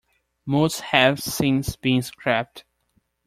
Most have since been scrapped.